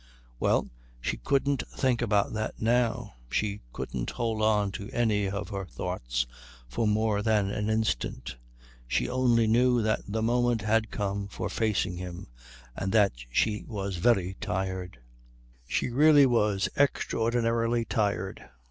Well, she couldn't think about that now. She couldn't hold on to any of her thoughts for more than an instant. She only knew that the moment had come for facing him, and that she was very tired. She really was extraordinarily tired.